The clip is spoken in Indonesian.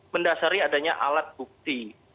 mendasari adanya alat bukti